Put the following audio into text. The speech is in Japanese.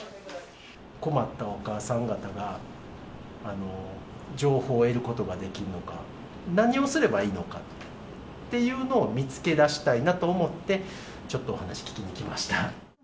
困ったお母さん方が情報を得ることができるのか、何をすればいいのかっていうのを見つけ出したいなと思って、ちょっとお話聞きに来ました。